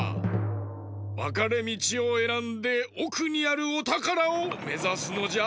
わかれみちをえらんでおくにあるおたからをめざすのじゃ。